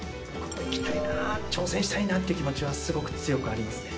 行きたいな、挑戦したいなっていう気持ちはすごく強くありますね。